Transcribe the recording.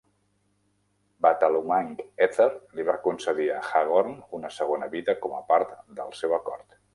Bathalumang Ether li va concedir a Hagorn una segona vida com a part del seu acord.